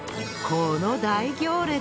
この大行列